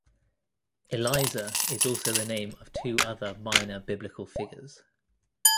Eliezer is also the name of two other minor biblical figures.